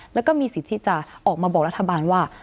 แล้วก็มีสิทธิ์ที่จะออกมาบอกรัฐบาลว่า